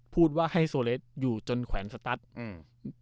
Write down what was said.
พูดว่าให้โซเลสอยู่จนแขวนสตัสอืม